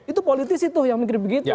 itu politisi tuh yang mikir begitu